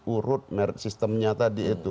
urut sistemnya tadi itu